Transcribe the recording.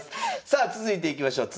さあ続いていきましょう。